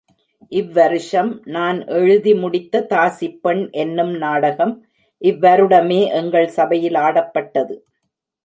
இவ் வருஷம் நான் எழுதி முடித்த தாசிப் பெண் என்னும் நாடகம், இவ்வருடமே எங்கள் சபையில் ஆடப்பட்டது.